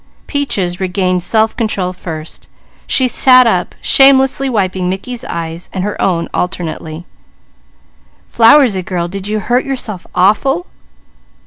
Peaches regained self control first; she sat up, shamelessly wiping Mickey's eyes and her own alternately. "Flowersy girl, did you hurt yourself awful?"